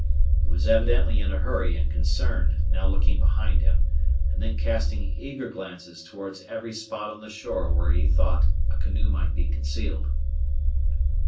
He was evidently in a hurry and concerned, now looking behind him, and then casting eager glances towards every spot on the shore where he thought a canoe might be concealed.